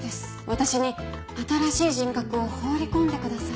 私に新しい人格を放り込んでください。